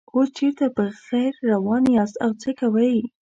اوس چېرته په خیر روان یاست او څه کوئ.